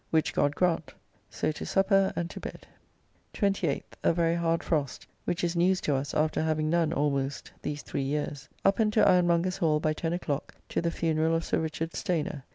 Which God grant! So to supper and to bed. 28th. A very hard frost; which is news to us after having none almost these three years. Up and to Ironmongers' Hall by ten o'clock to the funeral of Sir Richard Stayner.